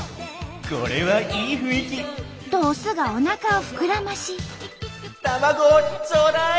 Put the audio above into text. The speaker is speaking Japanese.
「これはいい雰囲気！」とオスがおなかを膨らまし「卵をちょうだい！！」。